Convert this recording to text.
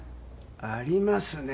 ありますね。